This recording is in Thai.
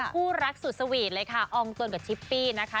คู่รักสุดสวีทเลยค่ะอองตนกับชิปปี้นะคะ